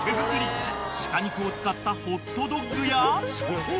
［鹿肉を使ったホットドッグや］